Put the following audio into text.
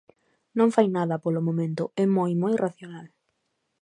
Non fai nada polo momento, é moi moi racional.